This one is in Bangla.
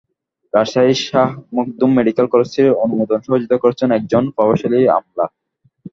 রাজশাহীর শাহ মখদুম মেডিকেল কলেজটির অনুমোদনে সহযোগিতা করেছেন একজন প্রভাবশালী আমলা।